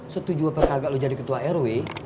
setuju apa kagak lo jadi ketua rw